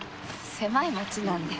狭い町なんで。